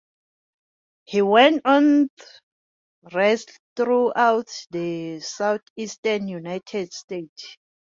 He went on to wrestle throughout the Southeastern United States.